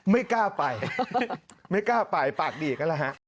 ไม่กล้าไปไม่กล้าไปปากดีกนั่นแหละฮะ